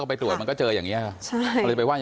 ไปตรวจมันก็เจออย่างนี้